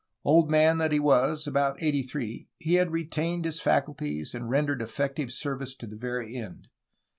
Old man that he was, about eighty three, he had retained his faculties and rendered effective service to the very end.